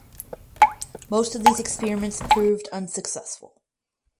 Most of these experiments proved unsuccessful.